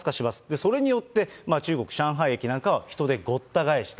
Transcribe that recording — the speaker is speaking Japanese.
それによって中国・上海駅なんかは人でごった返した。